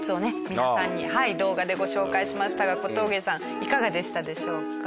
皆さんに動画でご紹介しましたが小峠さんいかがでしたでしょうか？